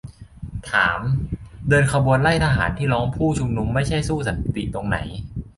ถาม : เดินขบวนไล่ทหารที่ล้อมผู้ชุมนุมไม่ใช่สู้สันติตรงไหน ?